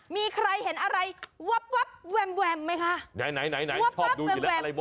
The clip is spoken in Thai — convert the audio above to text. มีใครเห็นอะไรวับวับแวมแวมไม่ครับ